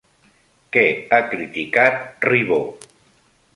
Què ha criticat Ribó?